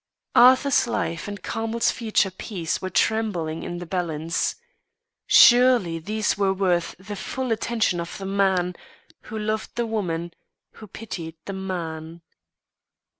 Arthur's life and Carmel's future peace were trembling in the balance. Surely these were worth the full attention of the man who loved the woman, who pitied the man.